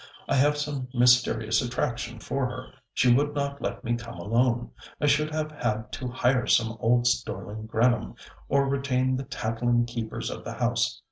I have some mysterious attraction for her. She would not let me come alone. I should have had to hire some old Storling grannam, or retain the tattling keepers of the house.